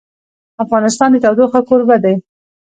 افغانستان د تودوخه کوربه دی.